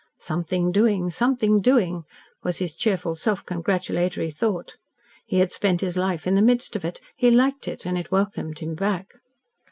"Something doing. Something doing," was his cheerful self congratulatory thought. He had spent his life in the midst of it, he liked it, and it welcomed him back.